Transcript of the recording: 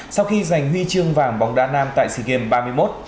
sau khi giành huy chương vàng bóng đá nam tại sikim ba mươi một